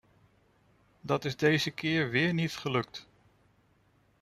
Dat is deze keer weer niet gelukt!